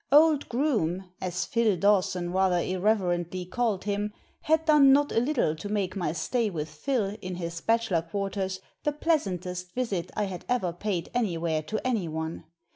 Old Groome — ^as Phil Dawson rather irreverently called him — ^had done not a little to make my stay with Phil, in his bachelor quarters, the pleasantest visit I had ever paid anywhere to anyone.